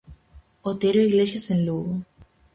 Otero-Iglesias en Lugo.